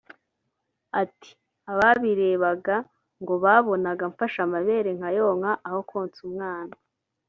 Ati “Ababirebaga ngo babonaga mfashe amabere nkayonka aho konsa umwana